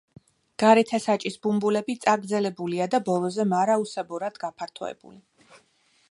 გარეთა საჭის ბუმბულები წაგრძელებულია და ბოლოზე მარაოსებურად გაფართოებული.